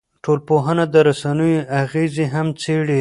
ټولنپوهنه د رسنیو اغېزې هم څېړي.